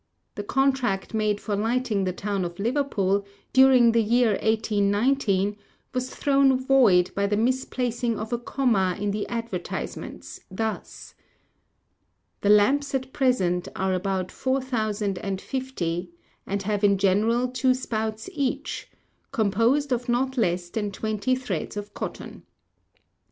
The contract made for lighting the town of Liverpool, during the year 1819, was thrown void by the misplacing of a comma in the advertisements, thus: "The lamps at present are about 4,050, and have in general two spouts each, composed of not less than twenty threads of cotton."